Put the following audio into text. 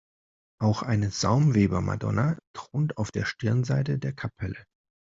Auch eine Saumweber-Madonna thront auf der Stirnseite der Kapelle.